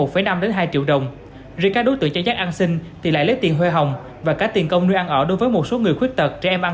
phối hợp với công an tp hcm